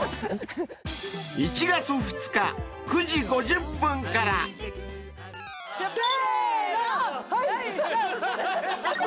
［１月２日９時５０分から］せーの！